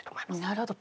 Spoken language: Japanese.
なるほど。